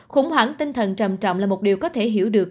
khủng hoảng tinh thần trầm trọng là một điều có thể hiểu được